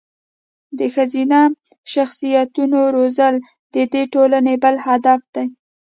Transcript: د ښځینه شخصیتونو روزل د دې ټولنې بل هدف دی.